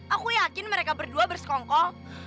aku yakin mereka berdua bersekongkol